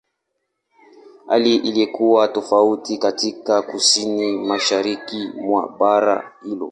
Hali ilikuwa tofauti katika Kusini-Mashariki mwa bara hilo.